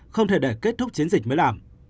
không thể để kết thúc chiến dịch mới làm